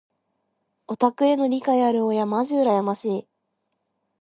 オタクへの理解のある親まじ羨ましい。